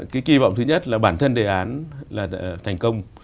cái kỳ vọng thứ nhất là bản thân đề án là thành công